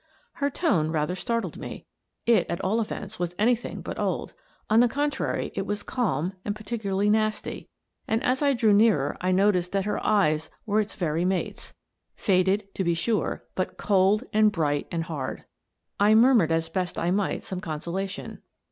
Her tone rather startled me. It, at all events, was anything but old. On the contrary, it was calm and particularly nasty. And as I drew nearer I noticed that her eyes were its very mates — faded, to be sure, but cold and bright and hard. I murmured, as best I might, some consolation.